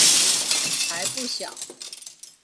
才不小！